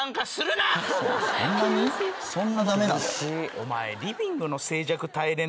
お前。